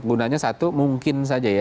gunanya satu mungkin saja ya